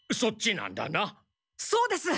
そうです！